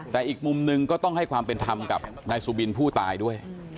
แต่อีกมุมหนึ่งก็ต้องให้ความเป็นธรรมกับนายสุบินผู้ตายด้วย